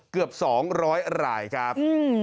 เกือบสองร้อยรายครับ